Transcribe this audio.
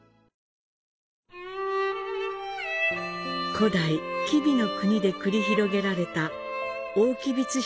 古代、吉備国で繰り広げられた大吉備津彦